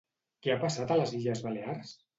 Què ha passat a les Illes Balears?